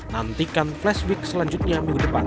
nantikan flash week selanjutnya minggu depan